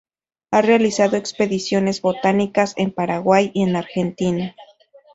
Ha realizado expediciones botánicas en Paraguay y en Argentina.